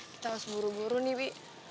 kita harus buru buru nih bu